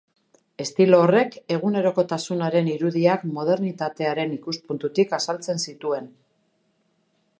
Estilo horrek egunerokotasunaren irudiak modernitatearen ikuspuntutik azaltzen zituen.